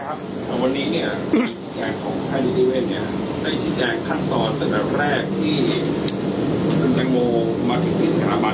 วันนี้เนี่ยขั้นตอนตั้งแต่แรกที่มาถึงพิษศาบันแล้วมีการปรับศึกภาพ